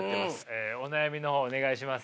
えお悩みの方お願いします。